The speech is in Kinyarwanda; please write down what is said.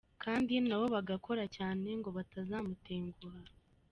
kandi n'abo bagakora cyane ngo batazamutenguha.